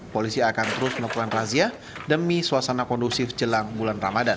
polisi akan terus melakukan razia demi suasana kondusif jelang bulan ramadan